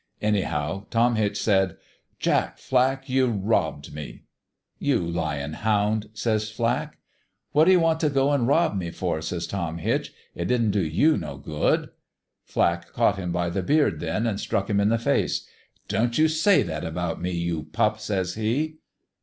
" Anyhow, Tom Hitch said :"' Jack Flack, you robbed me !'"' You lyin' hound !' says Flack. "' What you want t' go an' rob me for ?' says Tom Hitch. * It didn't do you no good.' "Flack caught him by the beard, then, an' struck him in the face. ' Don't you say that about me, you pup !' says he.